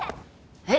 えっ！？